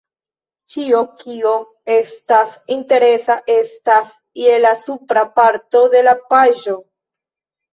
Ĉio kio estas interesa estas je la supra parto de la paĝo